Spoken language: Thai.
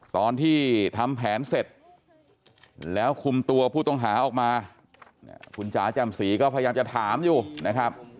ตอนที่ทำแผนเสร็จแล้วคุมตัวผู้ต้องหาออกมาคุณจ๋าแจ่มสีก็พยายามจะถามอยู่นะครับ